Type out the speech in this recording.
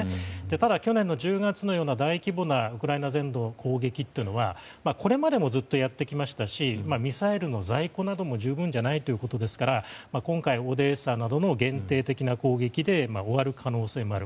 ただ、去年の１０月のような大規模なウクライナ全土の攻撃はこれまでもずっとやってきましたしミサイルの在庫なども十分ではないということですから今回、オデーサなどの限定的な攻撃で終わる可能性もある。